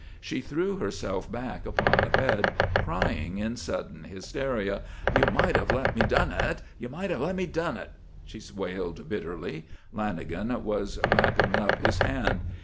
She threw herself back upon the bed, crying in sudden hysteria: "You might have let me done it! You might have let me done it!" she wailed bitterly. Lanagan was wrapping up his hand.